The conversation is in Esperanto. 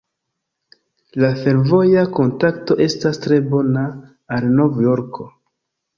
La fervoja kontakto estas tre bona al Nov-Jorko.